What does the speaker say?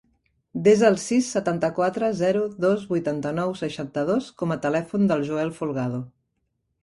Desa el sis, setanta-quatre, zero, dos, vuitanta-nou, seixanta-dos com a telèfon del Joel Folgado.